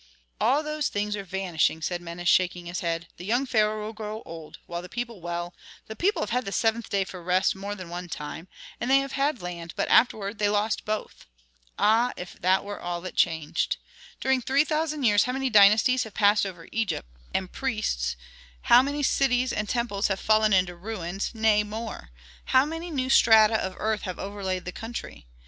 "All those things are vanishing," said Menes, shaking his head. "The young pharaoh will grow old, while the people, well, the people have had the seventh day for rest more than one time, and they have had land but afterward they lost both! Ah, if that were all that changed! During three thousand years how many dynasties have passed over Egypt, and priests, how many cities and temples have fallen into ruins; nay more! how many new strata of earth have overlaid the country.